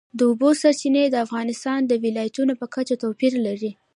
د اوبو سرچینې د افغانستان د ولایاتو په کچه توپیر لري.